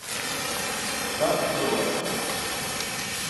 Cap problema.